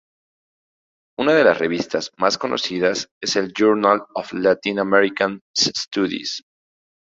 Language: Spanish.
Una de las revistas más conocidas es el Journal of Latin American Studies.